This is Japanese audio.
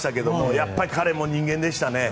やっぱり彼も人間でしたね。